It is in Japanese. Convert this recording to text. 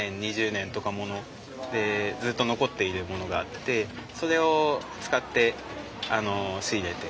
１０年２０年とか物でずっと残っているものがあってそれを使って仕入れて。